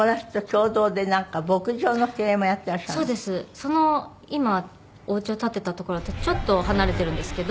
その今お家を建てた所とちょっと離れてるんですけど。